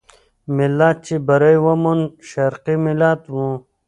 ملت چې بری وموند، شرقي ملت وو.